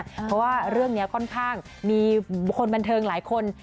เพราะว่าเรื่องนี้ค่อนข้างมีคนบันเทิงหลายคน